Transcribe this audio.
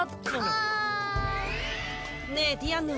あん！ねえディアンヌ